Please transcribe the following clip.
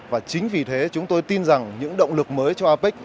và chính vì thế chúng tôi tin rằng những động lực mới cho apec